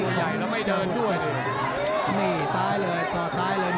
ตัวใหญ่และไม่เดินด้วย